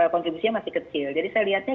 kontribusinya masih kecil jadi saya lihatnya